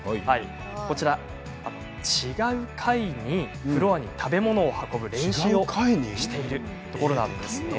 こちら違う階に食べ物を運ぶ練習をしているところです。